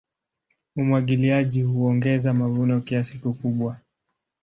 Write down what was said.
Umwagiliaji huongeza mavuno kiasi kikubwa.